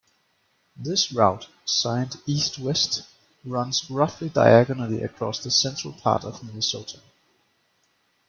This route, signed east-west, runs roughly diagonally across the central part of Minnesota.